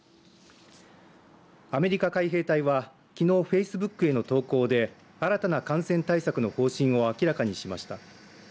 アメリカ海兵隊はきのうフェイスブックへの投稿で新たな感染対策の方針を明らかにしました。